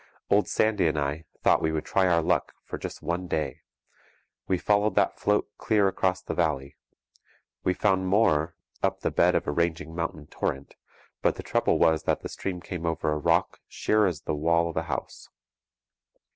Old Sandy and I thought we would try our luck for just one day. We followed that "float" clear across the valley. We found more up the bed of a raging mountain torrent; but the trouble was that the stream came over a rock sheer as the wall of a house.